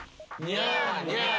ニャーニャー。